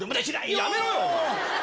やめろよ。